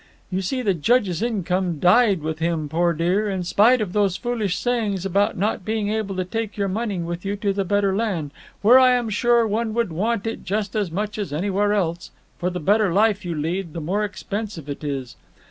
You see the Judge's income died with him, poor dear, in spite of those foolish sayings about not being able to take your money with you to the better land, where I am sure one would want it just as much as anywhere else, for the better life you lead, the more expensive it is.